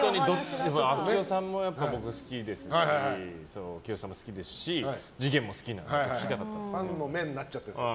明夫さんも僕好きですし清志さんも好きですし次元も好きなのでファンの目になっちゃってるんです。